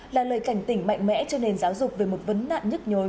là lời cảnh tỉnh mạnh mẽ cho nền giáo dục về một vấn nạn nhức nhối